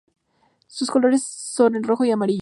Sus colores son el rojo y amarillo.